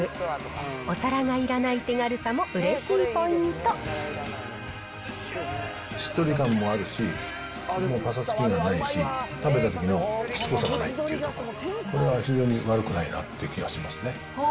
お皿がいらない手軽さもうれしいしっとり感もあるし、でもぱさつきはないし、食べたときのしつこさがないっていうところ、これは非常に悪くないなって気がしますね。